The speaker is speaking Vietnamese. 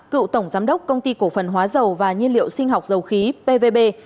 cựu tổng giám đốc công ty cổ phần hóa dầu và nhiên liệu sinh học dầu khí pvb